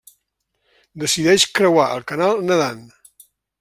Decideix creuar el canal nedant.